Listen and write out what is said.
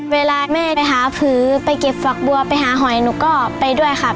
เวลาแม่ไปหาผือไปเก็บฝักบัวไปหาหอยหนูก็ไปด้วยครับ